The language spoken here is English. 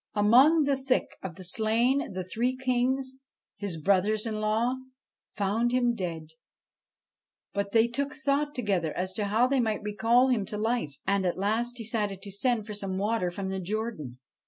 Among the thick of the slain the three kings his brothers in law found him dead 1 But they took thought together as to how they might recall him to life, and at last decided to send for some water from the Jordan.